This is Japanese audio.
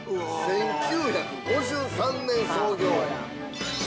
◆１９５３年創業。